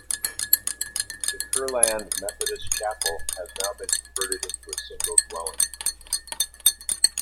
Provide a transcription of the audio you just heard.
The Curland Methodist Chapel has now been converted into a single dwelling.